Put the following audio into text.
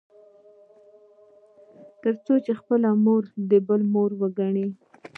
تـر څـو خـپله مـور د بل مور وګـني.